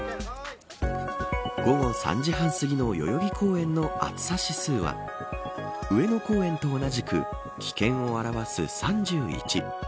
午後３時半すぎの代々木公園の暑さ指数は上野公園と同じく危険を表す３１。